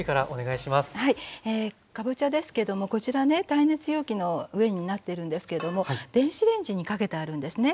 かぼちゃですけどもこちらね耐熱容器の上になってるんですけども電子レンジにかけてあるんですね。